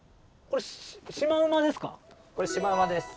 これシマウマです。